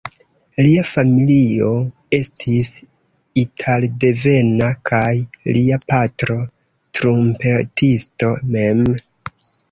Lia familio estis italdevena kaj lia patro trumpetisto mem.